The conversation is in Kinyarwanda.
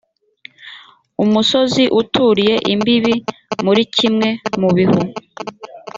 umusozi uturiye imbibi muri kimwe mu bihu